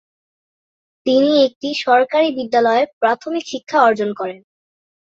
তিনি একটি সরকারি বিদ্যালয়ে প্রাথমিক শিক্ষা অর্জন করেন।